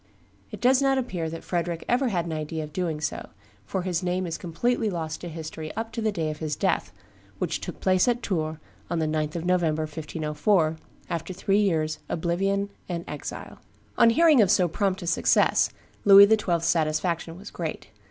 It does not appear that Frederick ever had an idea of doing so, for his name is completely lost to history up to the day of his death, which took place at Tours on the 9th of November, 1504, after three years' oblivion and exile. On hearing of so prompt a success, Louis XII.'s satisfaction was great.